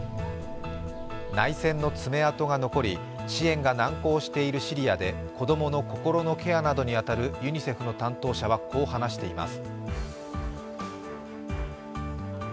内戦の爪痕が残り支援が難航しているシリアで子供の心のケアなどに当たるユニセフの担当者は、こう話しています。